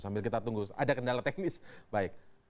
sambil kita tunggu ada kendala teknis baik